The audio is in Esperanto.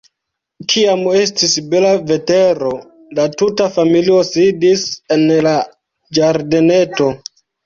Kiam estis bela vetero, la tuta familio sidis en la ĝardeneto.